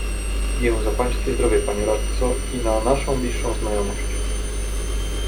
"Piję za pańskie zdrowie, panie radco i na naszą bliższą znajomość!"